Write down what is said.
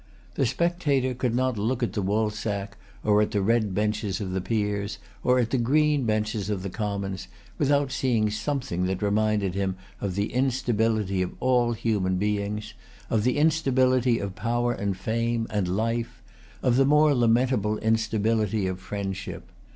The spectator could not look at the woolsack, or at the red benches of the Peers, or at the green benches of the Commons, without seeing something that reminded him of the instability of all human things,[Pg 233] of the instability of power and fame and life, of the more lamentable instability of friendship.